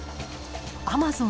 アマゾン